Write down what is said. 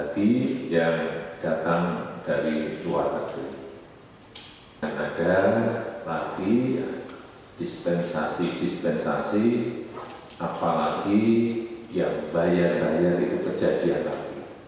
dispensasi dispensasi apalagi yang bayar bayar itu kejadian lagi